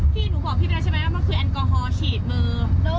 พี่หนูบอกพี่ไปแล้วใช่ไหมว่ามันคือแอลกอฮอล์ฉีดมือ